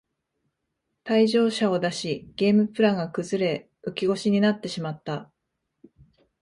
退場者を出しゲームプランが崩れ浮き腰になってしまった